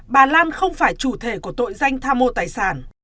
bà lan không phải chủ thể của tội danh tham mô tài sản